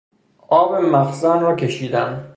آب مخزن را کشیدن